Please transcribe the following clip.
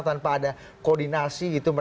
tanpa ada koordinasi gitu